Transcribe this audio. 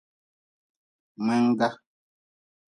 Mngengga.